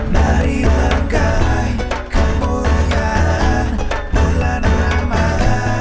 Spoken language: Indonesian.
nari wangkai kemuliaan bulan amalan